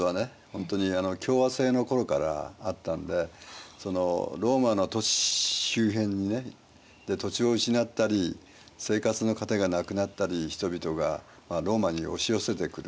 ほんとに共和政の頃からあったんでローマの都市周辺で土地を失ったり生活の糧がなくなったり人々がローマに押し寄せてくると。